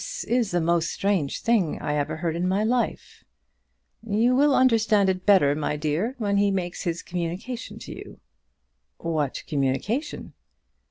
"This is the most strange thing I ever heard in my life." "You will understand it better, my dear, when he makes his communication to you." "What communication?"